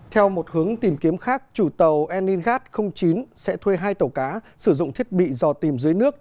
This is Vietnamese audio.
theo một hướng tìm kiếm khác chủ tàu enigas chín sẽ thuê hai tàu cá sử dụng thiết bị dò tìm dưới nước